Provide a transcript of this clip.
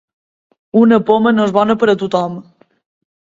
Una poma no és bona per a tothom.